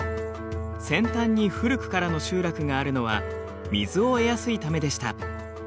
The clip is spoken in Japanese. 扇端に古くからの集落があるのは水を得やすいためでした。